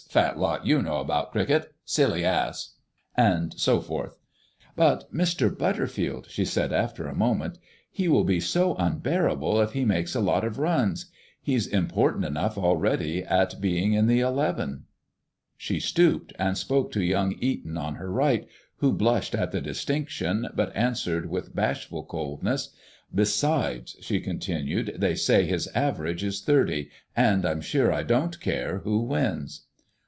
Fat lot you know about cricket." "Silly ass." And so forth. "But, Mr. Butterfield," she said after a moment, "he will be so unbearable if he makes a lot of runs. He's important enough already at being in the eleven." She stooped and spoke to young Eton on her right, who blushed at the distinction, but answered with bashful coldness. "Besides," she continued, "they say his average is thirty, and I'm sure I don't care who wins."